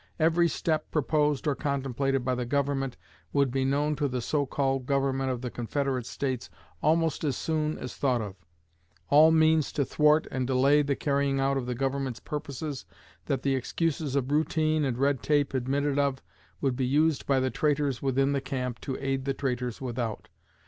Every step proposed or contemplated by the Government would be known to the so called Government of the Confederate States almost as soon as thought of. All means to thwart and delay the carrying out of the Government's purposes that the excuses of routine and red tape admitted of would be used by the traitors within the camp to aid the traitors without.